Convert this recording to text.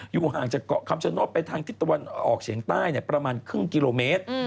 ห่างจากเกาะคำชโนธไปทางทิศตะวันออกเฉียงใต้ประมาณครึ่งกิโลเมตร